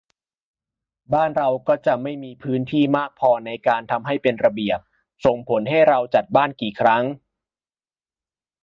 บ้านเราก็จะไม่มีพื้นที่มากพอในการทำให้เป็นระเบียบ ส่งผลให้เราจัดบ้านกี่ครั้ง